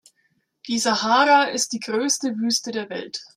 Die Sahara ist die größte Wüste der Welt.